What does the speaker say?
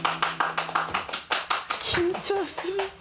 緊張する。